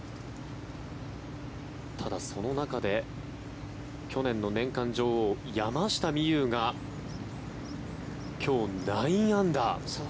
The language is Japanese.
ただ、その中で去年の年間女王、山下美夢有がそうですか。